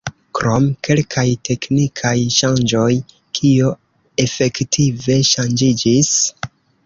Krom kelkaj teknikaj ŝanĝoj, kio efektive ŝanĝiĝis?